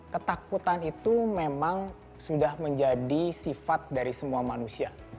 ketakutan itu memang sudah menjadi sifat dari semua manusia